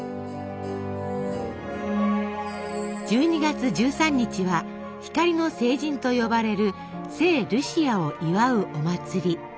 １２月１３日は「光の聖人」と呼ばれる聖ルシアを祝うお祭り。